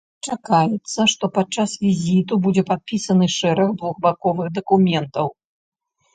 Чакаецца, што падчас візіту будзе падпісаны шэраг двухбаковых дакументаў.